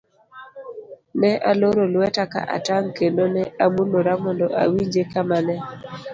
Ne aloro lweta ka atang' kendo ne amulora mondo awinje kama ne